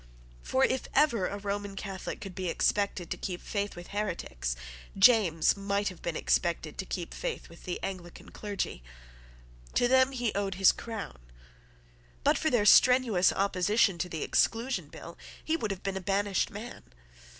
For, if ever a Roman Catholic could be expected to keep faith with heretics, James might have been expected to keep faith with the Anglican clergy. To them he owed his crown. But for their strenuous opposition to the Exclusion Bill he would have been a banished man.